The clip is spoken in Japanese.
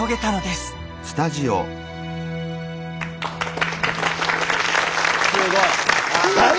すごい。